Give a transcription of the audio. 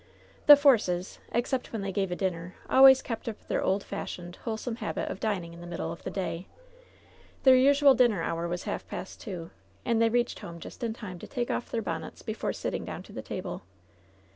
The Forces, except when they gave a dinner, always kept up their old fashioned, wholesome habit of dining in the middle of the day. Their ugual dinner hour was half past two, and they reached home just in time to take off their bonnets before sitting down to the table.